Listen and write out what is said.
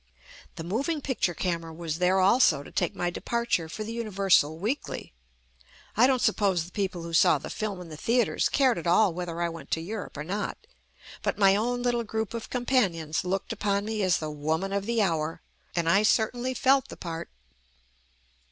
The moving picture camera was there also to take my de parture for the Universal Weekly. I don't suppose the people who saw the film in the theatres cared at all whether I went to Europe or not, but my own little group of companions looked upon me as the woman of the hour, and I certainly felt the part.